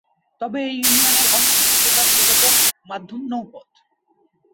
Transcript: তবে এ ইউনিয়নের অন্যতম প্রধান যোগাযোগ মাধ্যম নৌপথ।